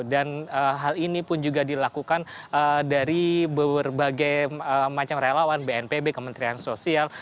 dan hal ini pun juga dilakukan dari berbagai macam relawan bnpb kementerian sosial